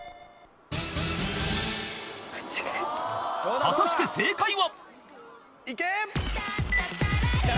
［果たして正解は？］